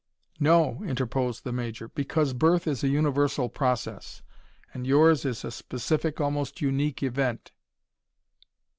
"No," interposed the Major. "Because birth is a universal process and yours is a specific, almost unique event."